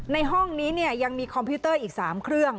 ในห้องนี้ยังมีคอมพิวเตอร์อีก๓เครื่อง